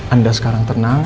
anda sekarang tenang